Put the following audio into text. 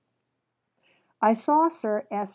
I saw Sir S.